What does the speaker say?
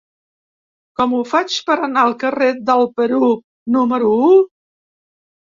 Com ho faig per anar al carrer del Perú número u?